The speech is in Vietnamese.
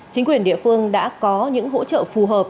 chính quyền địa phương đã có những hỗ trợ phù hợp